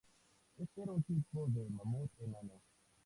Este era un tipo de mamut enano.